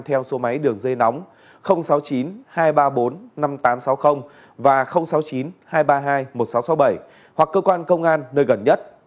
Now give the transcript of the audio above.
theo số máy đường dây nóng sáu mươi chín hai trăm ba mươi bốn năm nghìn tám trăm sáu mươi và sáu mươi chín hai trăm ba mươi hai một nghìn sáu trăm sáu mươi bảy hoặc cơ quan công an nơi gần nhất